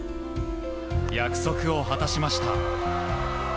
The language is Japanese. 約束を果たしました。